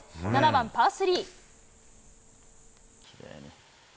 ７番パー３。